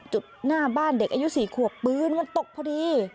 หน้าบ้านเด็กอายุ๔ขวบปืนมันตกพอดี